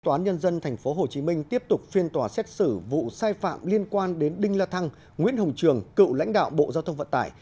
tòa án nhân dân tp hcm tiếp tục phiên tòa xét xử vụ sai phạm liên quan đến đinh la thăng nguyễn hồng trường cựu lãnh đạo bộ giao thông vận tải